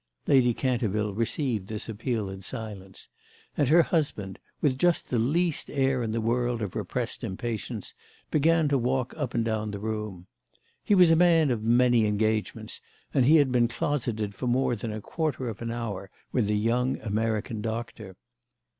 Lady Canterville received this appeal in silence, and her husband, with just the least air in the world of repressed impatience, began to walk up and down the room. He was a man of many engagements, and he had been closeted for more than a quarter of an hour with the young American doctor.